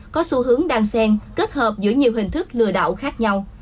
có xu hướng đan sen kết hợp giữa nhiều hình thức lừa đảo khác nhau